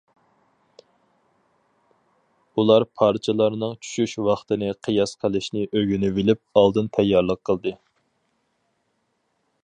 ئۇلار پارچىلارنىڭ چۈشۈش ۋاقتىنى قىياس قىلىشنى ئۆگىنىۋېلىپ ئالدىن تەييارلىق قىلدى.